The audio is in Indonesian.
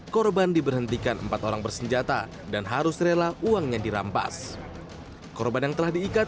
korban diberhentikan empat orang bersenjata dan harus terhentikan